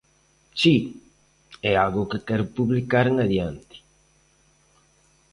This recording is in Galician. Si, é algo que quero publicar en adiante.